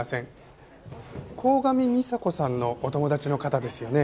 鴻上美沙子さんのお友達の方ですよね？